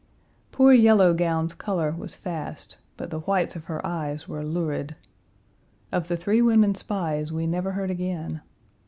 Poor Yellow Gown's color was fast, but the whites of her eyes were lurid. Of the three women spies we never heard again.